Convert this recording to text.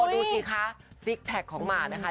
ดูสิคะซิกแพคของหมานะคะ